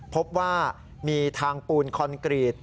พบว่ามีทางปูนคอนกรีต